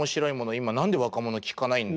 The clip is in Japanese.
今何で若者聴かないんだ。